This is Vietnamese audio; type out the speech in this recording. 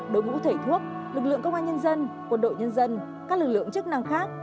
đối ngũ thầy thuốc lực lượng công an nhân dân quân đội nhân dân các lực lượng chức năng khác